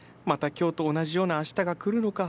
今日と同じようなあしたが来るのか。